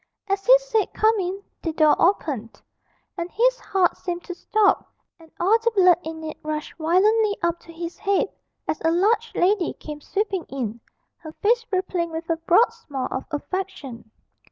As he said 'Come in,' the door opened, and his heart seemed to stop, and all the blood in it rushed violently up to his head, as a large lady came sweeping in, her face rippling with a broad smile of affection.